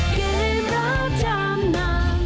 เกมรับทางน้ำ